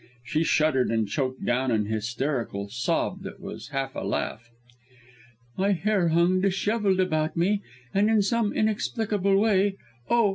She shuddered and choked down an hysterical sob that was half a laugh. "My hair hung dishevelled about me and in some inexplicable way oh!